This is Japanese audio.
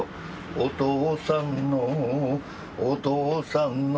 「お父さんのお父さんの」